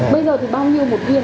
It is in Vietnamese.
bây giờ thì bao nhiêu một viên ở đây